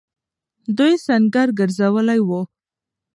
دوی سنګر گرځولی وو.